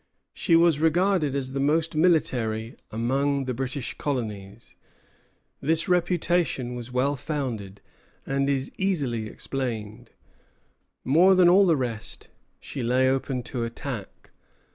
She was regarded as the most military among the British colonies. This reputation was well founded, and is easily explained. More than all the rest, she lay open to attack.